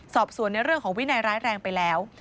สอบสวนในเรื่องของวินัยร้ายแรงไปแล้ว